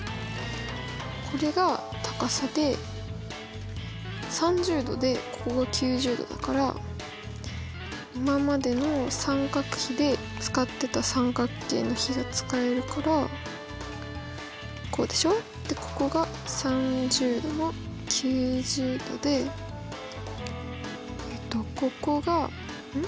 これが高さで３０°でここが９０°だから今までの三角比で使ってた三角形の比が使えるからこうでしょでここが３０°が９０°でここがん？